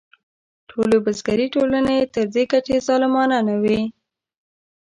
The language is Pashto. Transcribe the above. ټولې بزګري ټولنې تر دې کچې ظالمانه نه وې.